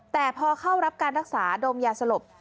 แต่พอเข้ารับการรักษาดมยาสลบ